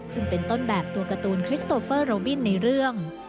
ซึ่งเป็นต้นแบบตัวการ์ตูนคริสโตเฟอร์โรบินในเรื่อง